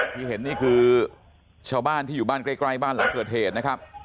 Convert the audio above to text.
ที่เห็นนี่คือชาวบ้านที่อยู่บ้านใกล้บ้านหลังเกิดเหตุนะครับ